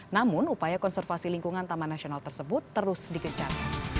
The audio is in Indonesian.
namun upaya konservasi lingkungan taman nasional tersebut terus dikejar